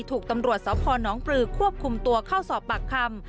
ถูกตำรวจสพนปลือควบคุมตัวเข้าสอบปากคำ